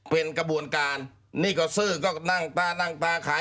เป็นกระบวนการนี่ก็ซื้อก็นั่งปลานั่งปลาขาย